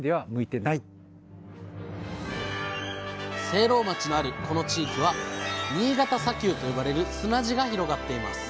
聖籠町のあるこの地域は新潟砂丘と呼ばれる砂地が広がっています。